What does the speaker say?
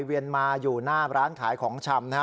เวียนมาอยู่หน้าร้านขายของชำนะฮะ